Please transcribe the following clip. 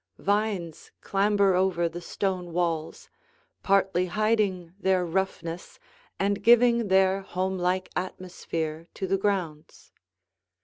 Vines clamber over the stone walls, partly hiding their roughness and giving their homelike atmosphere to the grounds.